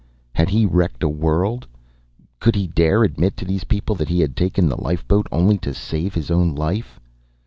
Had he wrecked a world? Could he dare admit to these people that he had taken the lifeboat only to save his own life?